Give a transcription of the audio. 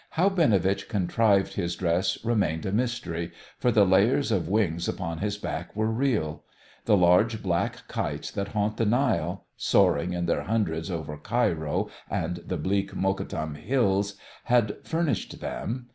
How Binovitch contrived his dress remained a mystery, for the layers of wings upon his back were real; the large black kites that haunt the Nile, soaring in their hundreds over Cairo and the bleak Mokattam Hills, had furnished them.